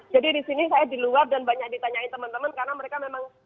di sini saya di luar dan banyak ditanyain teman teman karena mereka memang